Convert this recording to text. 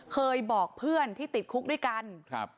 เคยบอกเพื่อนที่ติดคุกด้วยกัน